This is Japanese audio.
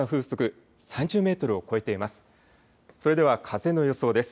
それでは風の様子です。